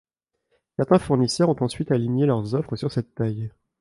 Certains fournisseurs ont ensuite aligné leurs offres sur cette taille.